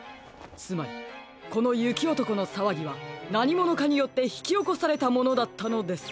つまりこのゆきおとこのさわぎはなにものかによってひきおこされたものだったのです。